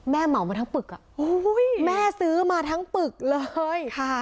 แม่เหมามาทั้งปึกอ่ะโอ้ยแม่ซื้อมาทั้งปึกเลยค่ะ